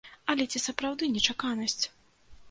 Але ці сапраўды нечаканасць.